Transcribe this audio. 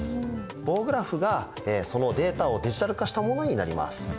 棒グラフがそのデータをディジタル化したものになります。